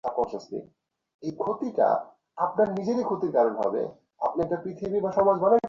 তাহলে কী খাবেন?